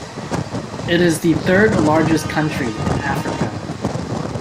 It is the third largest country in Africa.